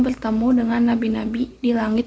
bertemu dengan nabi nabi di langit